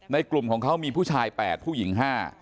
กลุ่มของเขามีผู้ชาย๘ผู้หญิง๕